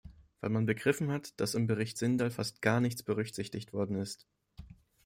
Weil man begriffen hat, dass im Bericht Sindal fast gar nichts berücksichtigt worden ist.